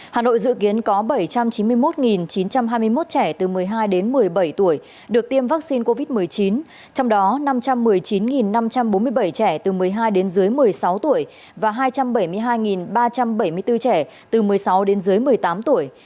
hà nội dự kiến có bảy trăm chín mươi một chín trăm hai mươi một trẻ từ một mươi hai đến một mươi bảy tuổi được tiêm vaccine covid một mươi chín trong đó năm trăm một mươi chín năm trăm bốn mươi bảy trẻ từ một mươi hai đến dưới một mươi sáu tuổi và hai trăm bảy mươi hai ba trăm bảy mươi bốn trẻ từ một mươi sáu đến dưới một mươi tám tuổi